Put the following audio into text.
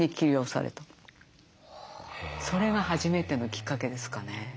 それが初めてのきっかけですかね。